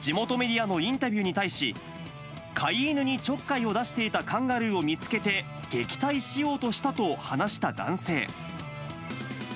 地元メディアのインタビューに対し、飼い犬にちょっかいを出していたカンガルーを見つけて、撃退しようとしたと話した男性。